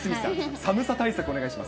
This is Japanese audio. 寒さ対策、お願いします。